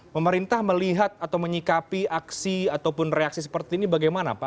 pemerintah melihat atau menyikapi aksi ataupun reaksi seperti ini bagaimana pak